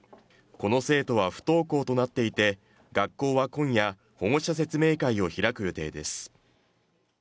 この生徒は不登校となっていて学校は今夜保護者説明会を開く予定です